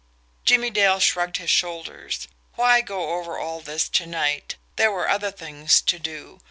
Jimmie Dale shrugged his shoulders. Why go over all this to night there were other things to do.